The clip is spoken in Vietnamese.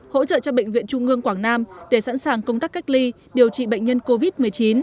hỗ trợ cho bệnh viện trung ương quảng nam để sẵn sàng công tác cách ly điều trị bệnh nhân covid một mươi chín